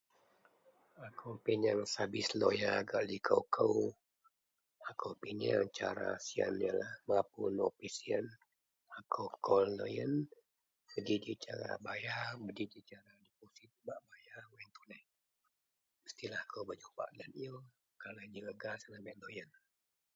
Akou pinyeng savis loya gak loko kou ako pinyeng cara siyen mapun opis loyen siyen akou kol loyen kuji ji cara bayar.